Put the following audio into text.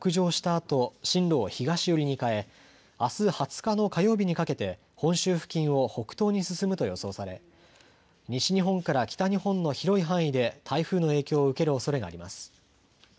あと進路を東寄りに変え、あす２０日の火曜日にかけて本州付近を北東に進むと予想され西日本から北日本の広い範囲で台風の影響を受けるおそれがあります。